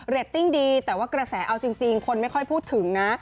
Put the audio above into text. ตติ้งดีแต่ว่ากระแสเอาจริงคนไม่ค่อยพูดถึงนะ